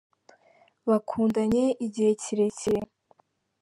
bakundanye igihe kirekire.